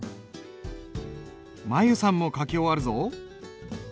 舞悠さんも書き終わるぞ。